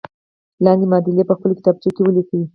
لاندې معادلې په خپلو کتابچو کې ولیکئ.